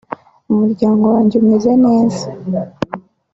umuryango wanjye umeze neza